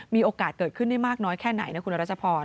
มีโอกาสเกิดขึ้นได้มากน้อยแค่ไหนนะคุณรัชพร